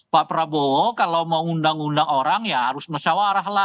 pak prabowo kalau mau undang undang orang ya harus musyawarah lah